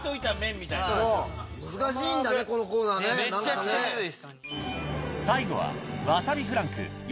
めちゃくちゃムズいっす。